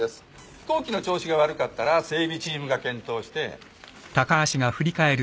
飛行機の調子が悪かったら整備チームが検討して。